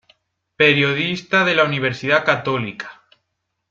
Periodista de la Universidad Católica.